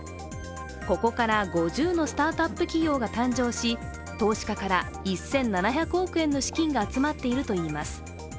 ここから５０のスタートアップ企業が誕生し、投資家から１７００億円の資金が集まっているといいます。